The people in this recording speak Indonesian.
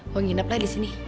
gua nginep lah disini